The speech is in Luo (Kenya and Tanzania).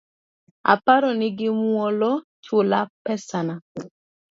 Aparo ni gi mwolo, chula pesana